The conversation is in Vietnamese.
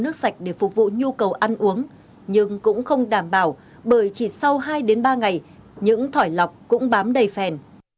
nước sạch để phục vụ nhu cầu ăn uống nhưng cũng không đảm bảo bởi chỉ sau hai ba ngày những thỏi lọc cũng bám đầy phèn